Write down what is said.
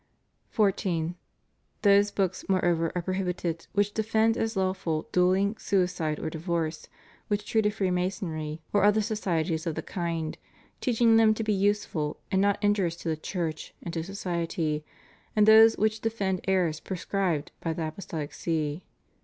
14. Those books, moreover, are prohibited which defend as lawful, duelling, suicide, or divorce; which treat of Freemasonry, or other societies of the kind, teaching them to be useful, and not injurious to the Church and to Society; and those which defend errors proscribed by the Apostolic See.